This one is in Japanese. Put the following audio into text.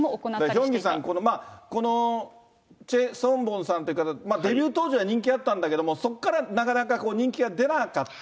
ヒョンギさんね、このチェ・ソンボンさんという方、デビュー当時は人気あったんだけども、そこからなかなか人気が出なかった。